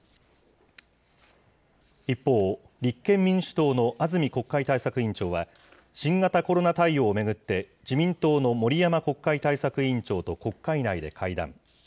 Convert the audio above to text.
一方、立憲民主党の安住国会対策委員長は、新型コロナ対応を巡って、自民党の森山国会対策委員長と国会内で会談。